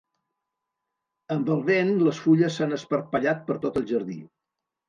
Amb el vent, les fulles s'han esparpallat per tot el jardí.